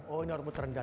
oh ini output rendah